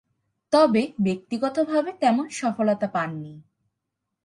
তবে, ব্যক্তিগতভাবে তেমন সফলতা পাননি।